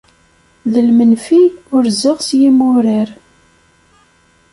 D lmenfi urzeɣ s yimurar.